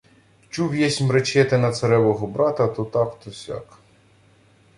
— Чув єсмь, речете на царевого брата то так то сяк...